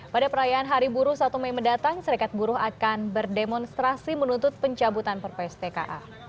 pada perayaan hari buruh satu mei mendatang serikat buruh akan berdemonstrasi menuntut pencabutan perpres tka